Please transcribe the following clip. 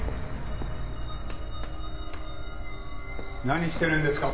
何してるんですか？